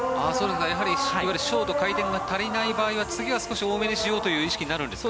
やはり、いわゆるショート回転が足りない場合は次は多めにしようという意識になるんですか？